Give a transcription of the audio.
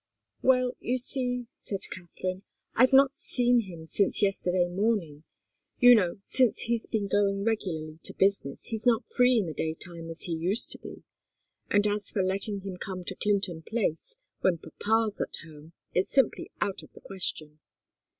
"Well, you see," said Katharine, "I've not seen him since yesterday morning. You know, since he's been going regularly to business, he's not free in the daytime as he used to be. And as for letting him come to Clinton Place when papa's at home, it's simply out of the question."